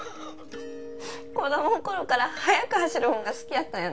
子供の頃から速く走るもんが好きやったんやね